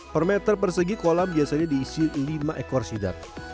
per meter persegi kolam biasanya diisi lima ekor sidar